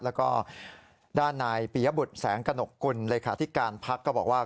แล้วก็ด้านนายปียบุตรแสงกระหนกกุลเลขาธิการพักก็บอกว่า